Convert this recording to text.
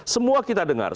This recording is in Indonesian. semua kita dengar